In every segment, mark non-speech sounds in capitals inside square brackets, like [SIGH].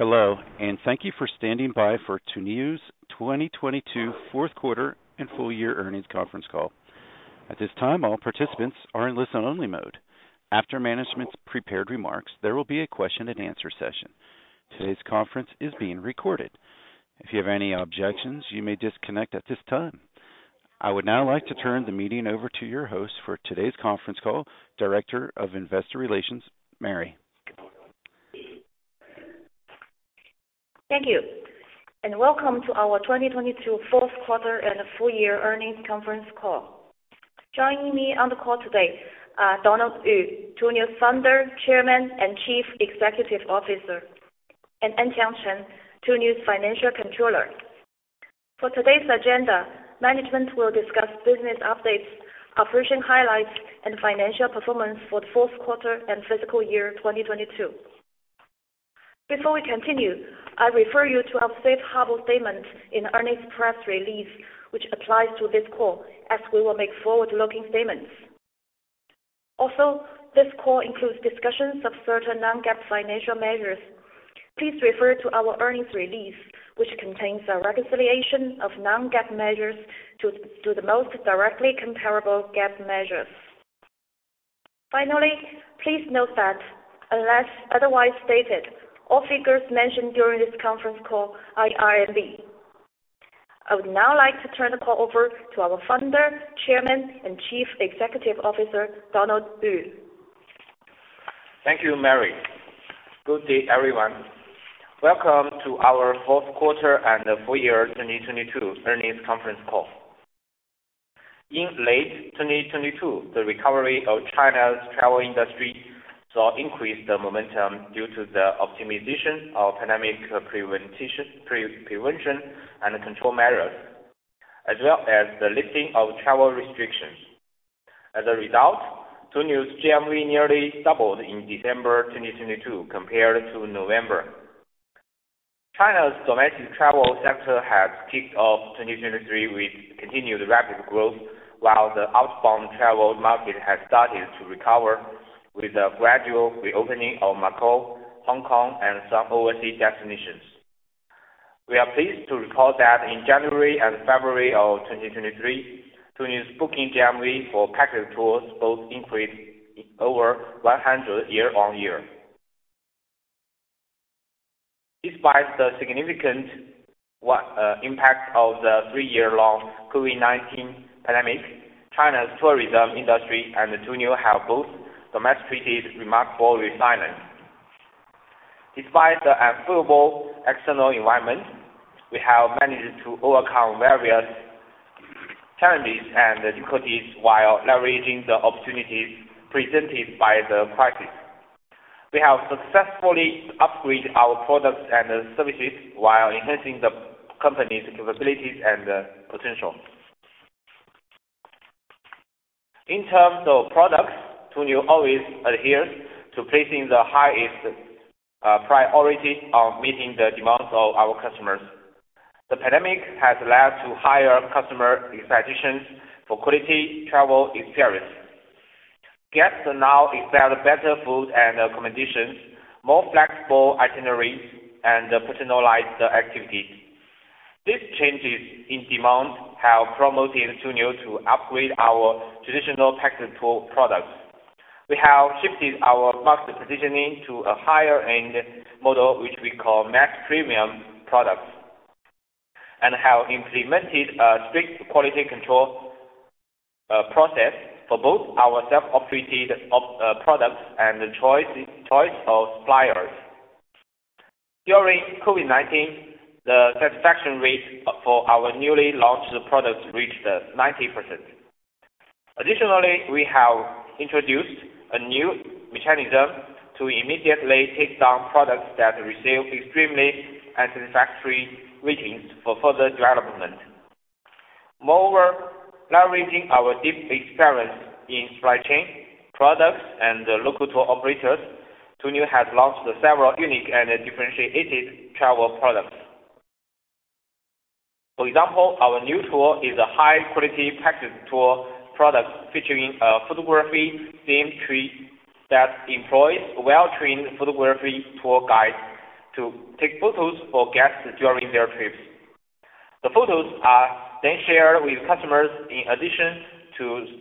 Hello, and thank you for standing by for Tuniu's 2022 Fourth Quarter And Full-Year Earnings Conference Call. At this time, all participants are in listen-only mode. After management's prepared remarks, there will be a question-and-answer session. Today's conference is being recorded. If you have any objections, you may disconnect at this time. I would now like to turn the meeting over to your host for today's conference call, Director of Investor Relations, Mary. Thank you. Welcome to our 2022 Fourth Quarter And Full-Year Earnings Conference Call. Joining me on the call today are Donald Yu, Tuniu's Founder, Chairman, and Chief Executive Officer, and Anqiang Chen, Tuniu's Financial Controller. For today's agenda, management will discuss business updates, operation highlights, and financial performance for the fourth quarter and fiscal year 2022. Before we continue, I refer you to our safe harbor statement in earnings press release, which applies to this call, as we will make forward-looking statements. Also, this call includes discussions of certain non-GAAP financial measures. Please refer to our earnings release, which contains a reconciliation of non-GAAP measures to the most directly comparable GAAP measures. Please note that unless otherwise stated, all figures mentioned during this conference call are RMB. I would now like to turn the call over to our Founder, Chairman, and Chief Executive Officer, Donald Yu. Thank you, Mary. Good day, everyone. Welcome to our fourth quarter and full-year 2022 earnings conference call. In late 2022, the recovery of China's travel industry saw increased momentum due to the optimization of pandemic prevention and control measures, as well as the lifting of travel restrictions. As a result, Tuniu's GMV nearly doubled in December 2022 compared to November. China's domestic travel sector has kicked off 2023 with continued rapid growth, while the outbound travel market has started to recover with a gradual reopening of Macau, Hong Kong, and some overseas destinations. We are pleased to recall that in January and February of 2023, Tuniu's booking GMV for package tours both increased over 100 year-on-year. Despite the significant impact of the three-year-long COVID-19 pandemic, China's tourism industry and Tuniu have both demonstrated remarkable resilience. Despite the unfavorable external environment, we have managed to overcome various challenges and difficulties while leveraging the opportunities presented by the crisis. We have successfully upgraded our products and services while enhancing the company's capabilities and potential. In terms of products, Tuniu always adheres to placing the highest priority on meeting the demands of our customers. The pandemic has led to higher customer expectations for quality travel experience. Guests now expect better food and accommodations, more flexible itineraries, and personalized activities. These changes in demand have prompted Tuniu to upgrade our traditional package tour products. We have shifted our market positioning to a higher-end model, which we call Max Premium products, and have implemented a strict quality control process for both our self-operated products and choice of suppliers. During COVID-19, the satisfaction rate for our newly launched products reached 90%. Additionally, we have introduced a new mechanism to immediately take down products that receive extremely unsatisfactory ratings for further development. Moreover, leveraging our deep experience in supply chain, products, and local tour operators, Tuniu has launched several unique and differentiated travel products. For example, our new tour is a high-quality package tour product featuring a photography-themed tree that employs well-trained photography tour guides to take photos for guests during their trips. The photos are then shared with customers in addition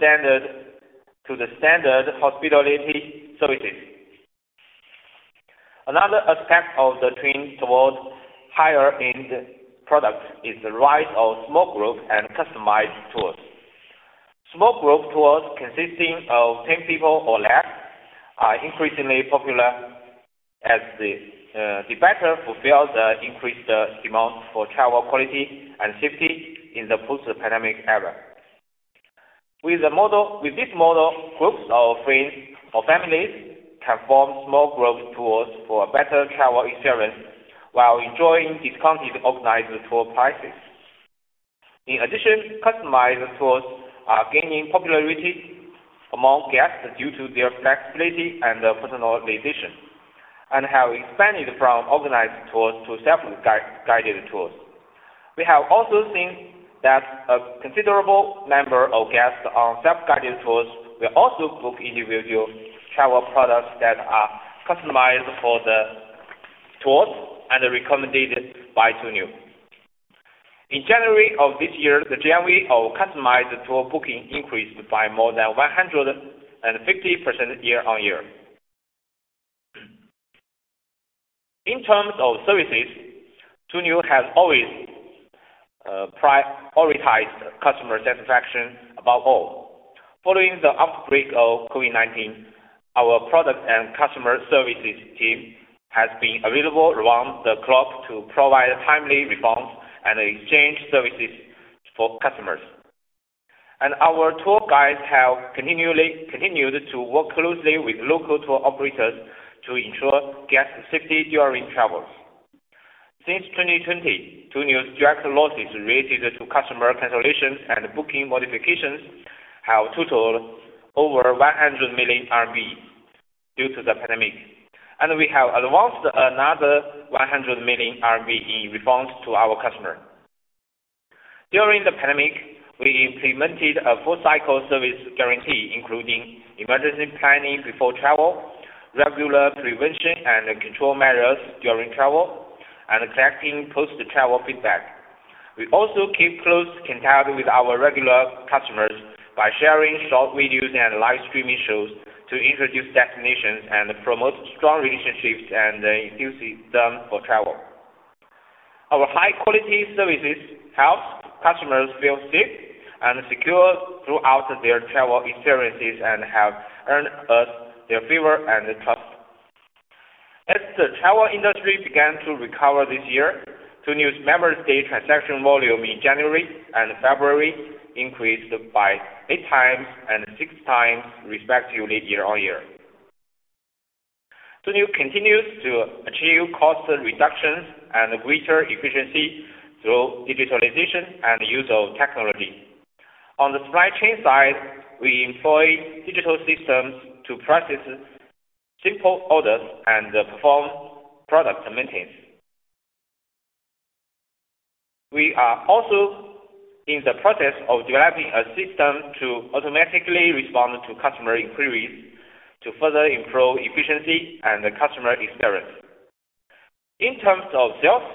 to the standard hospitality services. Another aspect of the trend towards higher-end products is the rise of small-group and customized tours. Small group tours consisting of 10 people or less are increasingly popular as they better fulfill the increased demand for travel quality and safety in the post-pandemic era. With the model... With this model, groups of friends or families can form small group tours for a better travel experience while enjoying discounted organized tour prices. Customized tours are gaining popularity among guests due to their flexibility and personalization, and have expanded from organized tours to self-guided tours. We have also seen that a considerable number of guests on self-guided tours will also book individual travel products that are customized for the tours and recommended by Tuniu. The GMV of customized tour booking increased by more than 150% year-on-year. Tuniu has always prioritized customer satisfaction above all. Following the outbreak of COVID-19, our product and customer services team has been available around the clock to provide timely refunds and exchange services for customers. Our tour guides have continued to work closely with local tour operators to ensure guest safety during travels. Since 2020, Tuniu's direct losses related to customer cancellations and booking modifications have totaled over 100 million RMB due to the pandemic, and we have advanced another 100 million RMB in refunds to our customers. During the pandemic, we implemented a full-cycle service guarantee, including emergency planning before travel, regular prevention and control measures during travel, and collecting post-travel feedback. We also keep close contact with our regular customers by sharing short videos and live streaming shows to introduce destinations and promote strong relationships and enthuse them for travel. Our high-quality services help customers feel safe and secure throughout their travel experiences and have earned us their favor and trust. As the travel industry began to recover this year, Tuniu's Members' Day transaction volume in January and February increased by 8x and 6x respectively year-on-year. Tuniu continues to achieve cost reductions and greater efficiency through digitalization and use of technology. On the supply chain side, we employ digital systems to process simple orders and perform product maintenance. We are also in the process of developing a system to automatically respond to customer inquiries to further improve efficiency and customer experience. In terms of sales,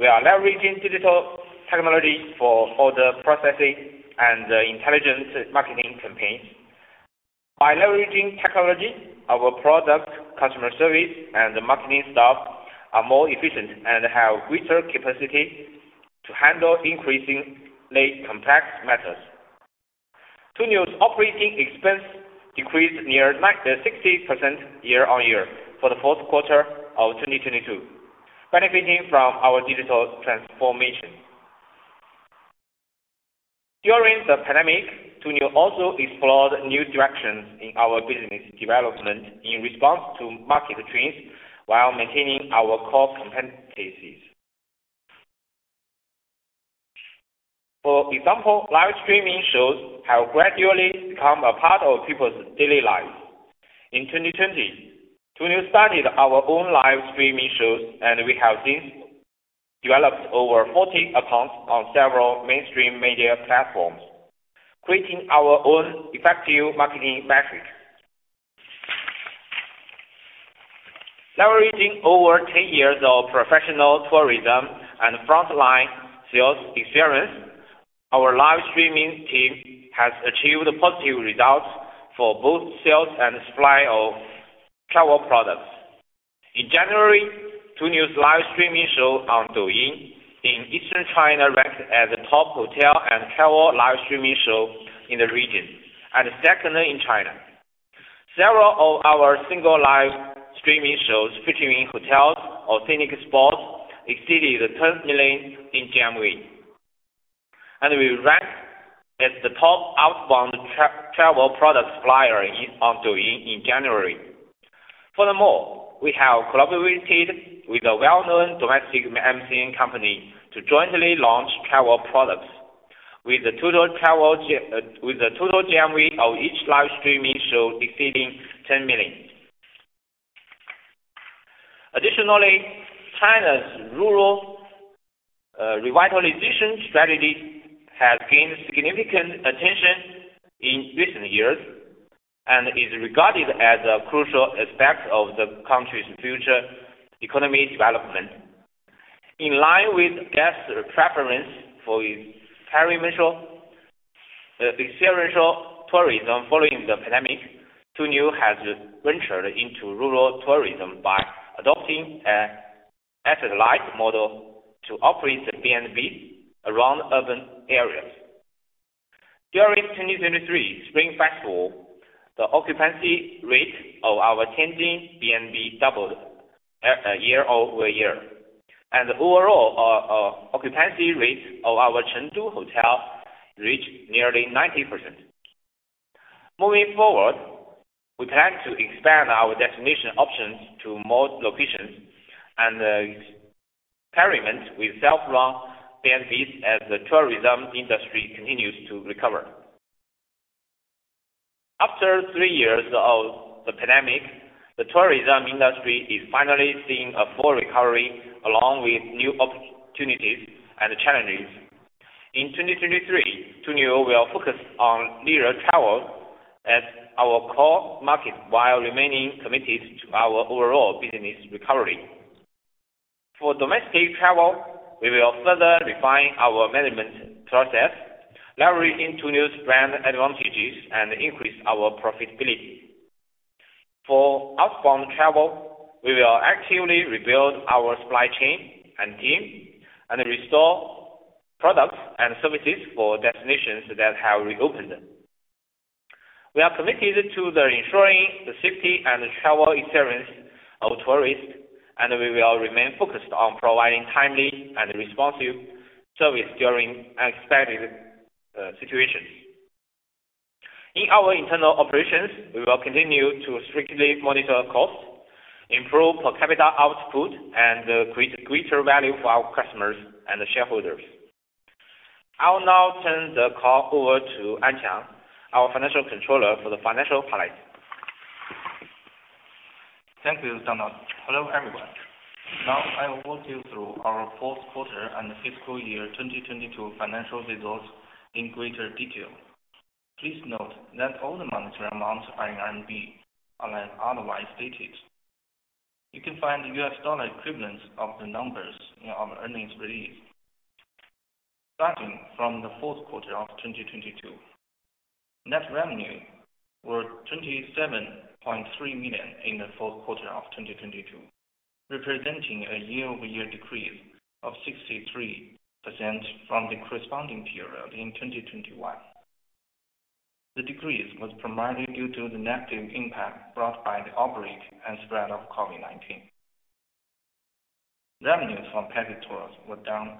we are leveraging digital technology for order processing and intelligent marketing campaigns. By leveraging technology, our product, customer service, and marketing staff are more efficient and have greater capacity to handle increasingly complex matters. Tuniu's operating expense decreased near 9.60% year-on-year for the fourth quarter of 2022, benefiting from our digital transformation. During the pandemic, Tuniu also explored new directions in our business development in response to market trends while maintaining our core competencies. For example, live streaming shows have gradually become a part of people's daily lives. In 2020, Tuniu started our own live streaming shows, and we have since developed over 40 accounts on several mainstream media platforms, creating our own effective marketing metric. Leveraging over 10 years of professional tourism and frontline sales experience, our live streaming team has achieved positive results for both sales and supply of travel products. In January, Tuniu's live streaming show on Douyin in Eastern China ranked as the top hotel and travel live streaming show in the region, and second in China. Several of our single live streaming shows featuring hotels or scenic spots exceeded 10 million in GMV. We ranked as the top outbound travel product supplier on Douyin in January. Furthermore, we have collaborated with a well-known domestic MCN company to jointly launch travel products with a total GMV of each live streaming show exceeding 10 million. Additionally, China's rural revitalization strategy has gained significant attention in recent years and is regarded as a crucial aspect of the country's future economic development. In line with guests' preference for experiential tourism following the pandemic, Tuniu has ventured into rural tourism by adopting a asset-light model to operate the BnBs around urban areas. During 2023 Spring Festival, the occupancy rate of our Tianjin BnB doubled year over year, and overall occupancy rate of our Chengdu hotel reached nearly 90%. Moving forward, we plan to expand our destination options to more locations and experiment with self-run BnBs as the tourism industry continues to recover. After three years of the pandemic, the tourism industry is finally seeing a full recovery along with new opportunities and challenges. In 2023, Tuniu will focus on leisure travel as our core market while remaining committed to our overall business recovery. For domestic travel, we will further refine our management process, leverage Tuniu's brand advantages, and increase our profitability. For outbound travel, we will actively rebuild our supply chain and team and restore products and services for destinations that have reopened. We are committed to the ensuring the safety and travel experience of tourists, and we will remain focused on providing timely and responsive service during unexpected situations. In our internal operations, we will continue to strictly monitor costs, improve per capita output, and create greater value for our customers and shareholders. I will now turn the call over to Anqiang, our Financial Controller for the financial highlights. Thank you, Donald. Hello, everyone. Now I will walk you through our fourth quarter and fiscal year 2022 financial results in greater detail. Please note that all the monetary amounts are in RMB unless otherwise stated. You can find the US dollar equivalents of the numbers in our earnings release. Starting from the fourth quarter of 2022. Net revenue were 27.3 million in the fourth quarter of 2022, representing a year-over-year decrease of 63% from the corresponding period in 2021. The decrease was primarily due to the negative impact brought by the outbreak and spread of COVID-19. Revenues from package tours were down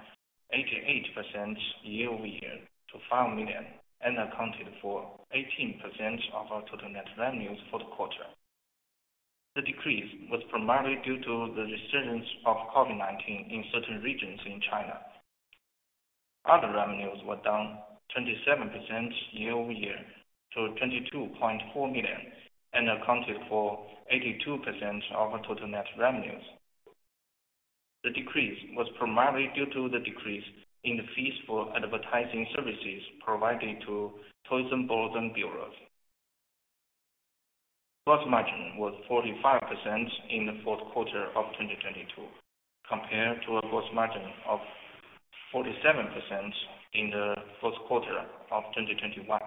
88% year-over-year to 5 million and accounted for 18% of our total net revenues for the quarter. The decrease was primarily due to the resurgence of COVID-19 in certain regions in China. Other revenues were down 27% year-over-year to 22.4 million and accounted for 82% of our total net revenues. The decrease was primarily due to the decrease in the fees for advertising services provided to tourism boards and bureaus. Gross margin was 45% in the fourth quarter of 2022 compared to a gross margin of 47% in the fourth quarter of 2021.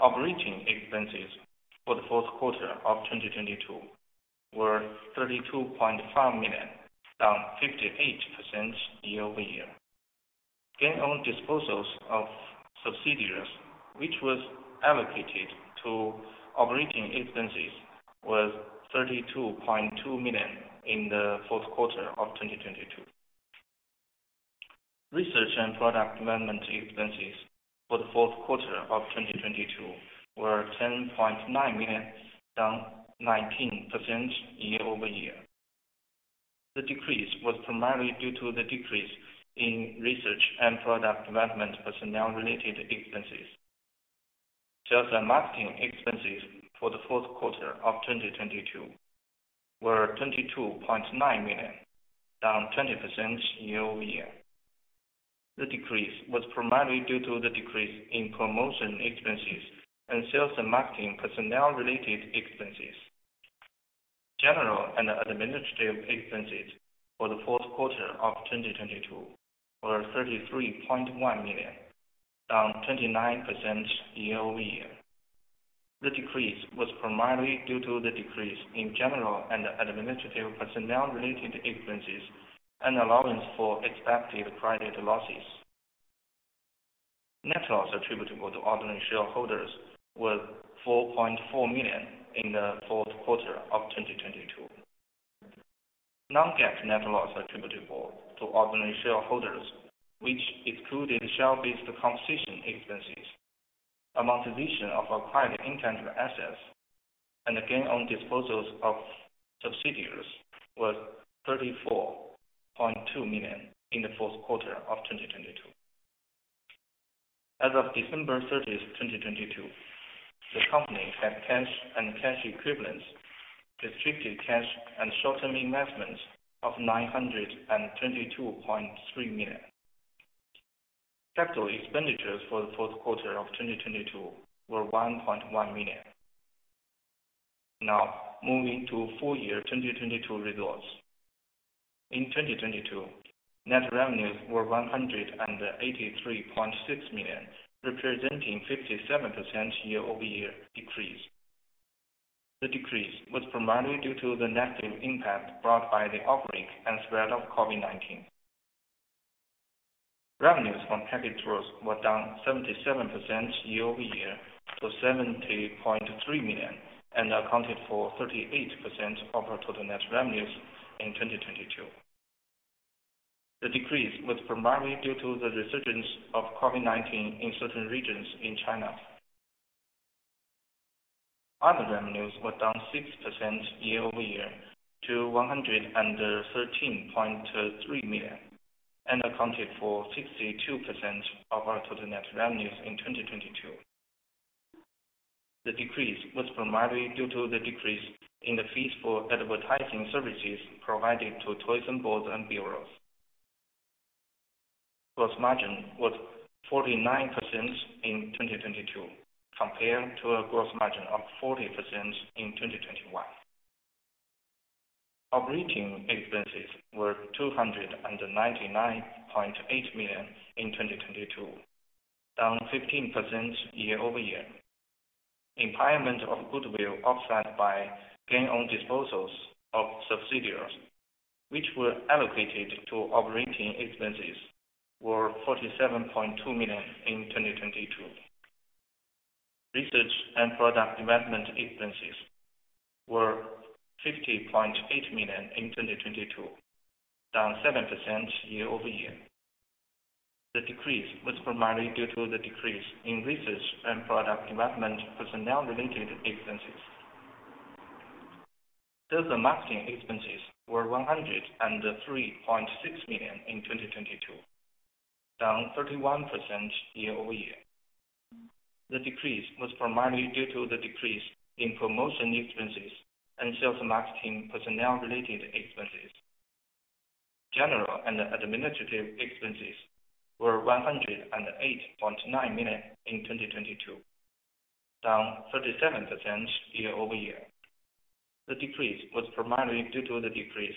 Operating expenses for the fourth quarter of 2022 were 32.5 million, down 58% year-over-year. Gain on disposals of subsidiaries, which was allocated to operating expenses, was 32.2 million in the fourth quarter of 2022. Research and product development expenses for the fourth quarter of 2022 were 10.9 million, down 19% year-over-year. The decrease was primarily due to the decrease in research and product development personnel-related expenses. Sales and marketing expenses for the fourth quarter of 2022 were 22.9 million, down 20% year-over-year. The decrease was primarily due to the decrease in promotion expenses and sales and marketing personnel-related expenses. General and administrative expenses for the fourth quarter of 2022 were 33.1 million, down 29% year-over-year. The decrease was primarily due to the decrease in general and administrative personnel-related expenses and allowance for expected credit losses. Net loss attributable to ordinary shareholders was 4.4 million in the fourth quarter of 2022. Non-GAAP net loss attributable to ordinary shareholders, which excluded share-based compensation expenses, amortization of acquired intangible assets, and the gain on disposals of subsidiaries, was 34.2 million in the fourth quarter of 2022. As of December 30, 2022, the company had cash and cash equivalents, restricted cash, and short-term investments of 922.3 million. Capital expenditures for Q4 2022 were 1.1 million. Now, moving to full-year 2022 results. In 2022, net revenues were 183.6 million, representing 57% year-over-year decrease. The decrease was primarily due to the negative impact brought by the outbreak and spread of COVID-19. Revenues from package tours were down 77% year-over-year to 70.3 million and accounted for 38% of our total net revenues in 2022. The decrease was primarily due to the resurgence of COVID-19 in certain regions in China. Other revenues were down 6% year-over-year to 113.3 million, and accounted for 62% of our total net revenues in 2022. The decrease was primarily due to the decrease in the fees for advertising services provided to tourism boards and bureaus. Gross margin was 49% in 2022 compared to a gross margin of 40% in 2021. Operating expenses were 299.8 million in 2022, down 15% year-over-year. Impairment of goodwill offset by gain on disposals of subsidiaries, which were allocated to operating expenses were 47.2 million in 2022. Research and product development expenses were 50.8 million in 2022, down 7% year-over-year. The decrease was primarily due to the decrease in research and product development personnel-related expenses. Sales and marketing expenses were 103.6 million in 2022, down 31% year-over-year. The decrease was primarily due to the decrease in promotion expenses and sales marketing personnel-related expenses. General and administrative expenses were 108.9 million in 2022, down 37% year-over-year. The decrease was primarily due to the decrease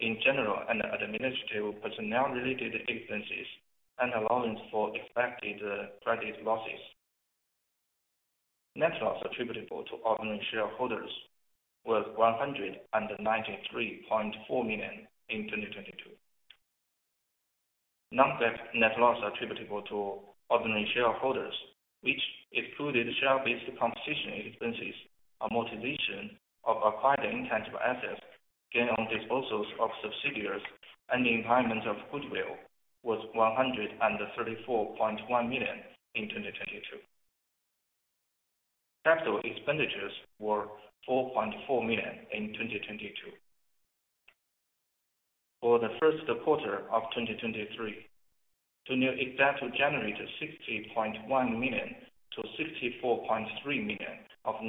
in general and administrative personnel-related expenses and allowance for expected credit losses. Net loss attributable to ordinary shareholders was 193.4 million in 2022. Non-GAAP net loss attributable to ordinary shareholders, which included share-based compensation expenses, amortization of acquired intangible assets, gain on disposals of subsidiaries, and the impairment of goodwill, was 134.1 million in 2022. Capital expenditures were 4.4 million in 2022. For the first quarter of 2023, Tuniu expects to generate 60.1 million-64.3 million of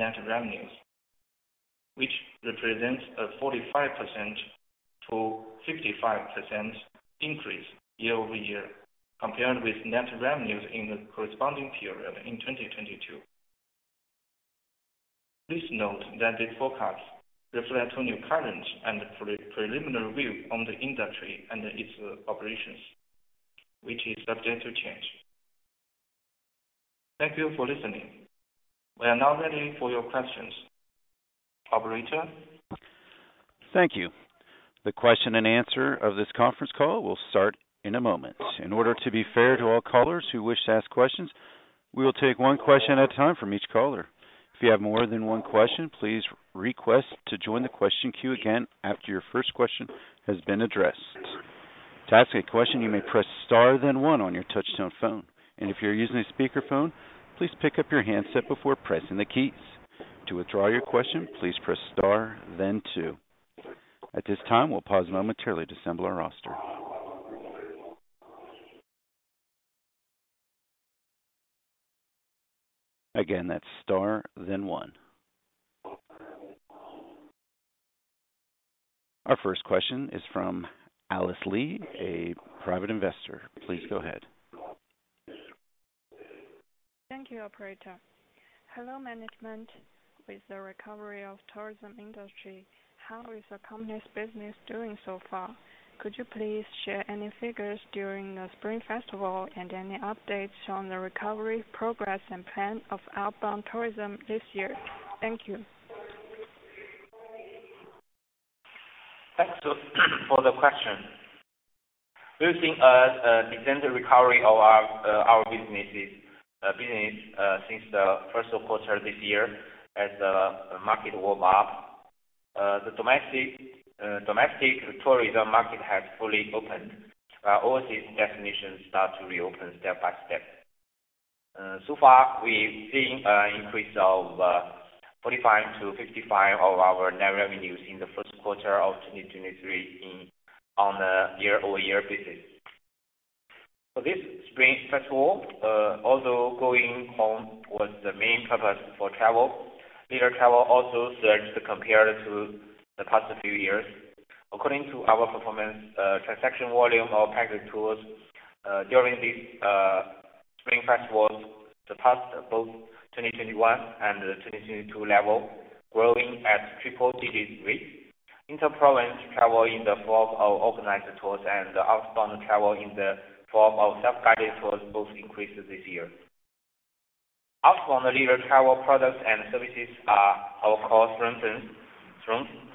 net revenues, which represents a 45%-55% increase year-over-year compared with net revenues in the corresponding period in 2022. Please note that these forecasts reflect Tuniu current and pre-preliminary view on the industry and its operations, which is subject to change. Thank you for listening. We are now ready for your questions. Operator? Thank you. The question-and-answer of this conference call will start in a moment. In order to be fair to all callers who wish to ask questions, we will take one question at a time from each caller. If you have more than one question, please request to join the question queue again after your first question has been addressed. To ask a question, you may press star then one on your touchtone phone, and if you're using a speakerphone, please pick up your handset before pressing the keys. To withdraw your question, please press star then two. At this time, we'll pause momentarily to assemble our roster. Again, that's star then one. Our first question is from Alice Lee, a private investor. Please go ahead. Thank you, operator. Hello, management. With the recovery of tourism industry, how is the company's business doing so far? Could you please share any figures during the Spring Festival and any updates on the recovery progress and plan of outbound tourism this year? Thank you. Thanks so for the question. We've seen a decent recovery of our business since the first quarter this year as market warm up. The domestic tourism market has fully opened. All these destinations start to reopen step by step. So far, we've seen increase of 45%-55% of our net revenues in the first quarter of 2023 on a year-over-year basis. For this Spring Festival, although going home was the main purpose for travel, leisure travel also surged compared to the past few years. According to our performance, transaction volume of package tours during the Spring Festivals, the past both 2021 and 2022 level growing at triple-digit rate. Inter-province travel in the form of organized tours and outbound travel in the form of self-guided tours both increased this year. Outbound leisure travel products and services are. [INAUDIBLE]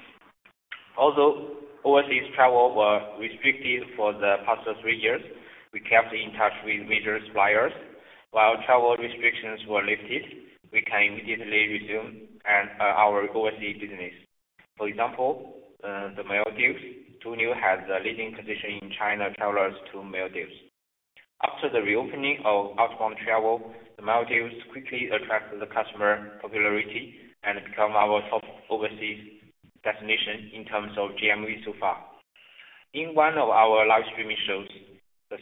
Although overseas travel were restricted for the past three years, we kept in touch with major suppliers. While travel restrictions were lifted, we can immediately resume and, our overseas business. For example, the Maldives, Tuniu has a leading position in China travelers to Maldives. After the reopening of outbound travel, the Maldives quickly attracted the customer popularity and become our top overseas destination in terms of GMV so far. In one of our live streaming shows,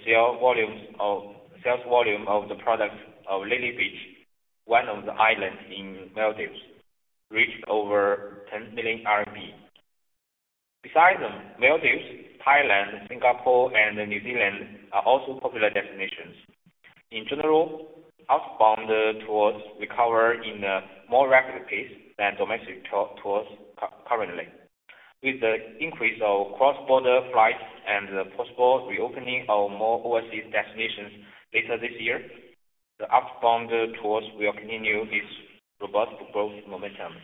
Sales volume of the products of Lily Beach, one of the islands in Maldives, reached over 10 million RMB. Besides Maldives, Thailand, Singapore and New Zealand are also popular destinations. In general, outbound tours recover in a more rapid pace than domestic tours currently. With the increase of cross-border flights and the possible reopening of more overseas destinations later this year, the outbound tours will continue its robust growth momentum.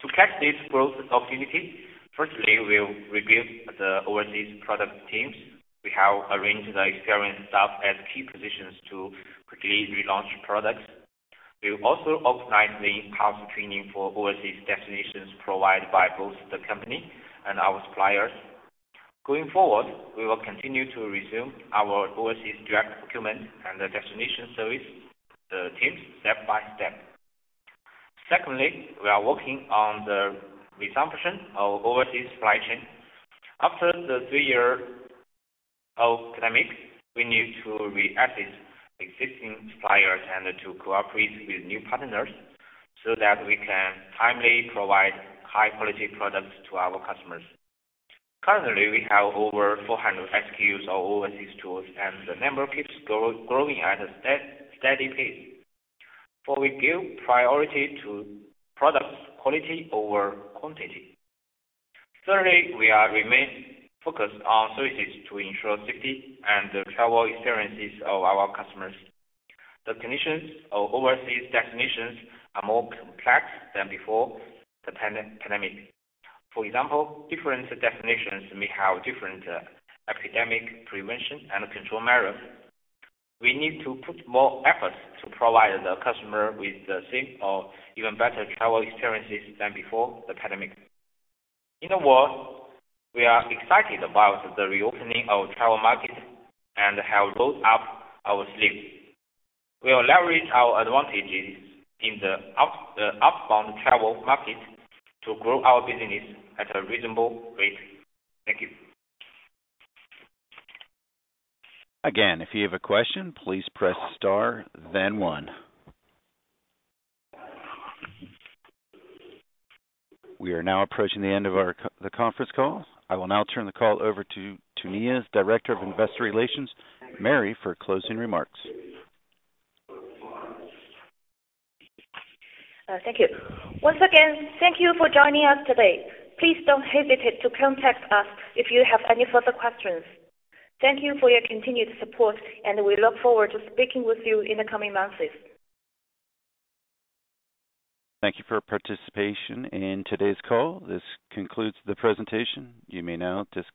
To catch this growth opportunity, firstly, we'll rebuild the overseas product teams. We have arranged the experienced staff at key positions to quickly relaunch products. We'll also organize the in-house training for overseas destinations provided by both the company and our suppliers. Going forward, we will continue to resume our overseas direct procurement and the destination service teams step by step. Secondly, we are working on the resumption of overseas supply chain. After the three year of pandemic, we need to re-access existing suppliers and to cooperate with new partners so that we can timely provide high quality products to our customers. Currently, we have over 400 SKUs of overseas tours, and the number keeps growing at a steady pace, for we give priority to products quality over quantity. Thirdly, we are remain focused on services to ensure safety and the travel experiences of our customers. The conditions of overseas destinations are more complex than before the pandemic. For example, different destinations may have different epidemic prevention and control measures. We need to put more efforts to provide the customer with the same or even better travel experiences than before the pandemic. In a word, we are excited about the reopening of travel market and have rolled up our sleeves. We will leverage our advantages in the outbound travel market to grow our business at a reasonable rate. Thank you. Again, if you have a question, please press star then one. We are now approaching the end of our the conference call. I will now turn the call over to Tuniu's Director of Investor Relations, Mary, for closing remarks. Thank you. Once again, thank you for joining us today. Please don't hesitate to contact us if you have any further questions. Thank you for your continued support and we look forward to speaking with you in the coming months. Thank you for participation in today's call. This concludes the presentation. You may now disconnect.